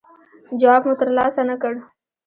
جواب مو ترلاسه نه کړ.